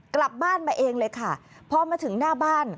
กลับบ้านมาเองเลยค่ะพอมาถึงหน้าบ้าน